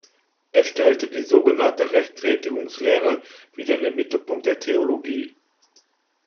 Er stellte die sogenannte Rechtfertigungslehre wieder in den Mittelpunkt der Theologie.